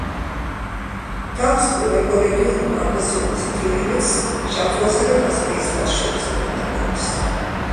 თავის მხრივ, ეკორეგიონი კავკასიონის მთიანეთს, შავ ზღვასა და კასპიის ზღვას შორის მდებარეობს.